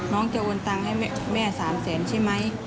น้องจะโอนตังค์ให้แม่๓แสนใช่ไหม